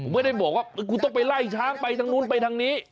ผมไม่ได้บอกว่าคุณต้องไปไล่ช้างไปทางนู้นไปทางนี้